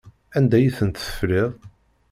Anda ay tent-tefliḍ?